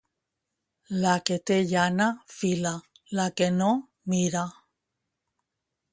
La que té llana, fila; la que no, mira.